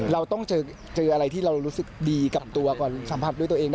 เราต้องเจออะไรที่เรารู้สึกดีกับตัวก่อนสัมผัสด้วยตัวเอง